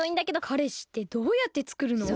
かれしってどうやってつくるの？